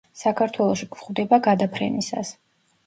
საქართველოში გვხვდება გადაფრენისას.